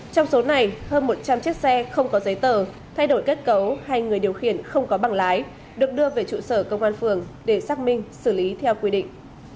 trong số này hơn một trăm linh chiếc xe không có giấy tờ thay đổi kết cấu hay người điều khiển không có bằng lái được đưa về trụ sở công an phường để xác minh xử lý theo quy định